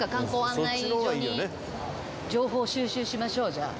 情報収集しましょうじゃあ。